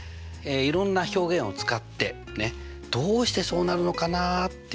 いろんな表現を使ってどうしてそうなるのかなっていうね